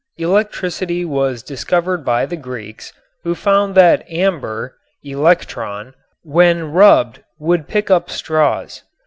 Electricity was discovered by the Greeks, who found that amber (electron) when rubbed would pick up straws.